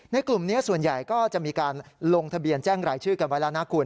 กลุ่มนี้ส่วนใหญ่ก็จะมีการลงทะเบียนแจ้งรายชื่อกันไว้แล้วนะคุณ